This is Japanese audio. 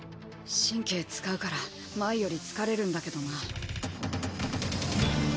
神経使うから前より疲れるんだけどな。